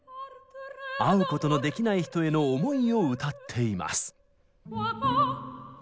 会うことのできない人への思いを歌っています。